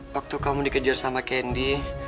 waktu kamu dikejar sama kendi